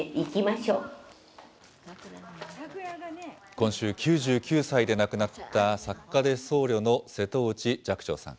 今週、９９歳で亡くなった作家で僧侶の瀬戸内寂聴さん。